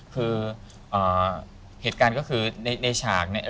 คือเหตุการณ์ก็คือในฉากเนี่ย